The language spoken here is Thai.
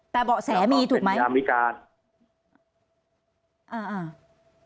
แต่บอกแสมีถูกไหมแต่มีอำนวยการ